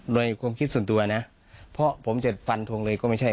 โดยความคิดส่วนตัวนะเพราะผมจะฟันทงเลยก็ไม่ใช่